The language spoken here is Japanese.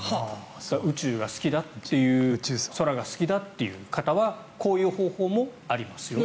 宇宙が好きだっていう空が好きだっていう方はこういう方法もありますよと。